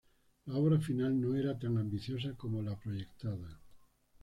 La obra final no era tan ambiciosa como la proyectada.